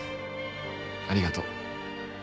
ありがとう。